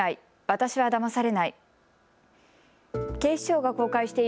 私はだまされない。